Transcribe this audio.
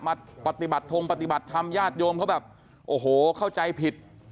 มาปฏิบัติทงปฏิบัติธรรมญาติโยมเขาแบบโอ้โหเข้าใจผิด